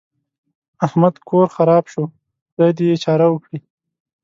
احمد کور خراپ شو؛ خدای دې يې چاره وکړي.